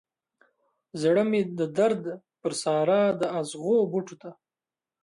زړه مې د درد پر سارا د اغزو بوټو ته